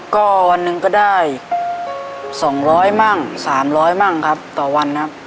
ก็วันหนึ่งก็ได้๒๐๐มั่ง๓๐๐มั่งครับต่อวันครับ